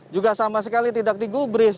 juga sama sekali tidak digubris